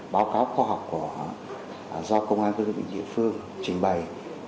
báo cáo khoa học của do công an cơ sở bệnh viện phương trình bày